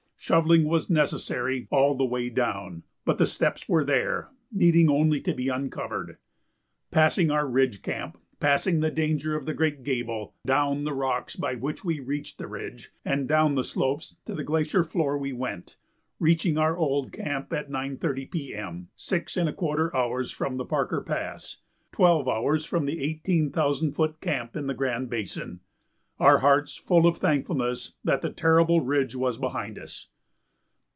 Shovelling was necessary all the way down, but the steps were there, needing only to be uncovered. Passing our ridge camp, passing the danger of the great gable, down the rocks by which we reached the ridge and down the slopes to the glacier floor we went, reaching our old camp at 9.30 P. M., six and a quarter hours from the Parker Pass, twelve hours from the eighteen thousand foot camp in the Grand Basin, our hearts full of thankfulness that the terrible ridge was behind us.